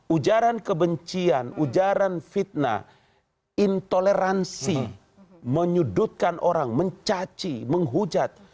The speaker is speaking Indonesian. ujaran kebencian ujaran fitnah intoleransi menyudutkan orang mencaci menghujat